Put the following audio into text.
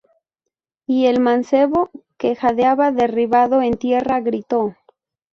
y el mancebo, que jadeaba derribado en tierra, gritó: